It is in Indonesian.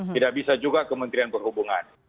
tidak bisa juga kementerian perhubungan